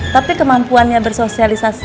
tapi kemampuannya bersosialisasi